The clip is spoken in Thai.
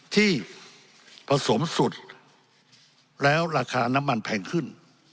ที่ผสมสุดแล้วราคาน้ำมันแพงขึ้น